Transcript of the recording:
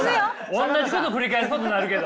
おんなじこと繰り返すことになるけど。